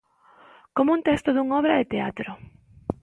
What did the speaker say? Como un texto dunha obra de teatro.